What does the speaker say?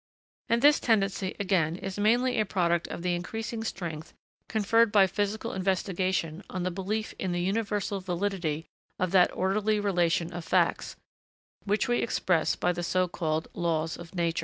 And this tendency, again, is mainly a product of the increasing strength conferred by physical investigation on the belief in the universal validity of that orderly relation of facts, which we express by the so called 'Laws of Nature.'